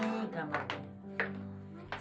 nah ini kamarnya